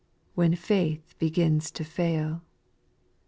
When faith begins to fail.